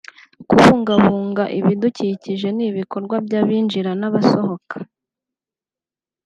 kubungabunga ibidukikije n’ibikorwa by’abinjira n’abasohoka